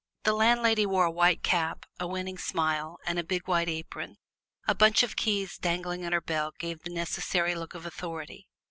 The landlady wore a white cap, a winning smile and a big white apron. A bunch of keys dangling at her belt gave the necessary look of authority.